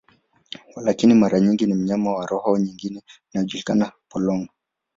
Walakini, mara nyingi ni mnyama wa roho nyingine inayojulikana, polong.